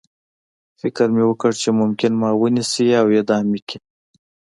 فکر مې وکړ چې ممکن ما ونیسي او اعدام مې کړي